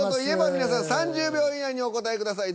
皆さん３０秒以内にお答えください。